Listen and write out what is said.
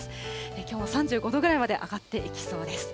きょうも３５度くらいまで上がっていきそうです。